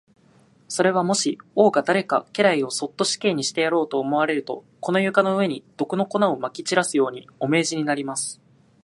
それは、もし王が誰か家来をそっと死刑にしてやろうと思われると、この床の上に、毒の粉をまき散らすように、お命じになります。